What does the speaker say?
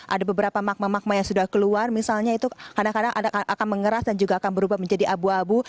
ada beberapa magma magma yang sudah keluar misalnya itu kadang kadang akan mengeras dan juga akan berubah menjadi abu abu